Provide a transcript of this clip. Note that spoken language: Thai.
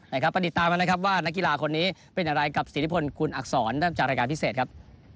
ไปติดตามกันนะครับว่านักกีฬาคนนี้เป็นอะไรกับสิทธิพลคุณอักษรได้จากรายการพิเศษครับ